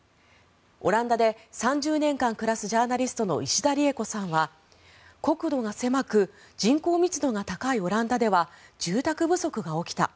オランダで３０年間暮らすジャーナリストの石田利枝子さんは国土が狭く人口密度が高いオランダでは住宅不足が起きた。